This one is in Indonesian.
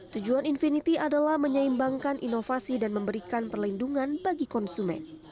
tujuan infinity adalah menyeimbangkan inovasi dan memberikan perlindungan bagi konsumen